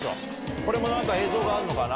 これもなんか映像があるのかな。